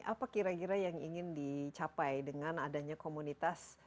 apa kira kira yang ingin dicapai dengan adanya komunitas